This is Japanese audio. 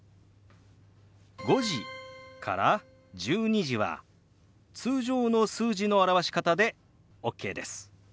「５時」から「１２時」は通常の数字の表し方でＯＫです。